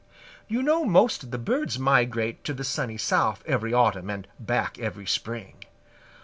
You know most of the birds migrate to the Sunny South every autumn and back every spring.